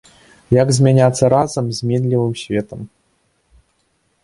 Як змяняцца разам з зменлівым светам?